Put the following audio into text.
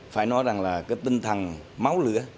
phải nói rằng là cái tinh thần máu lửa